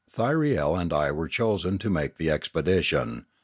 Thyriel and I were chosen to make the expedition.